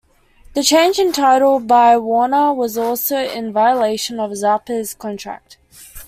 The change in title by Warner was also in violation of Zappa's contract.